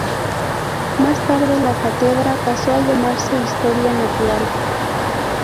Más tarde, la cátedra pasó a llamarse "Historia natural".